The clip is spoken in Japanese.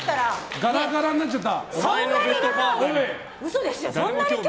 ガラガラになっちゃった。